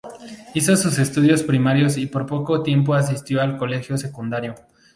Hizo sus estudios primarios y por poco tiempo asistió al colegio secundario.